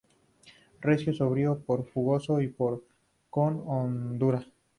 Recio, sobrio, pero jugoso y con hondura.